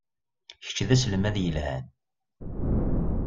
Kečč d aselmad yelhan.